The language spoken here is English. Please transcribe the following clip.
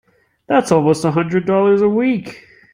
That's almost a hundred dollars a week!